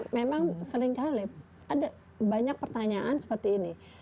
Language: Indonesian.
karena memang seringkali ada banyak pertanyaan seperti ini